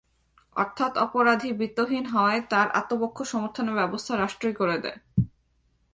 অর্থাৎ অপরাধী বিত্তহীন হওয়ায় তঁার আত্মপক্ষ সমর্থনের ব্যবস্থা রাষ্ট্রই করে দেয়।